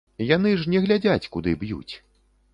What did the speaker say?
Яны ж не глядзяць, куды б'юць.